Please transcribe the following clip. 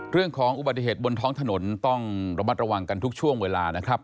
เรื่องของอุบัติเหตุบนท้องถนนต้องระมัดระวังกันทุกช่วงเวลานะครับ